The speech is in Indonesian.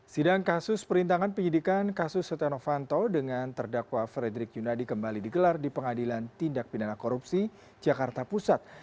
sidang kasus perintangan penyidikan kasus setia novanto dengan terdakwa frederick yunadi kembali digelar di pengadilan tindak pidana korupsi jakarta pusat